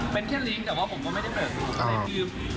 เป็นแค่ลิ้งค์แต่ว่าผมก็ไม่ได้เปิดคลิป